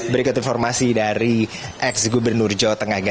berikut informasi dari ex gubernur jawa tengah